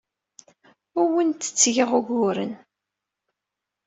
Ur awent-d-ttgeɣ uguren.